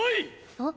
あっ。